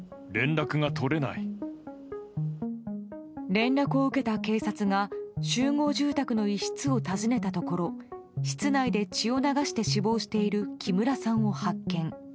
連絡を受けた警察が集合住宅の一室を訪ねたところ室内で血を流して死亡している木村さんを発見。